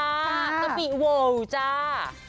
กะปรีโว่จ้า